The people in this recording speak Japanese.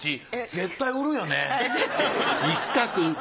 絶対売るよね。